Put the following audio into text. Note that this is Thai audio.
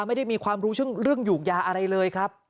ไม่ได้มีความรู้เรื่องหยูกยาอะไรเลยครับ